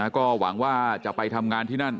ก็หวังว่าจะไปทำงานที่นั่น